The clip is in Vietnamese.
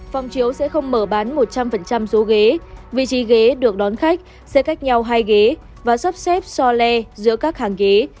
phòng chiếu sẽ không mở bán một trăm linh số ghế vị trí ghế được đón khách sẽ cách nhau hai ghế và sắp xếp so le giữa các hàng ghế